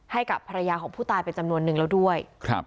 ให้กับภรรยาของผู้ตายเป็นจำนวนนึงแล้วด้วย